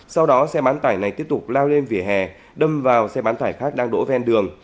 sau đó xe bán tải này tiếp tục lao lên vỉa hè đâm vào xe bán tải khác đang đổ ven đường